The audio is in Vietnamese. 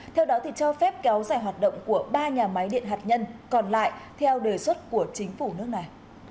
theo đó cho phép kéo dài hoạt động của ba nhà máy điện hạt nhân còn lại theo đề xuất của chính phủ nước này